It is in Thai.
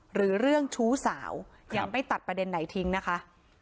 หรือเรื่องชู้สาวยังไม่ตัดประเด็นไหนทิ้งนะคะ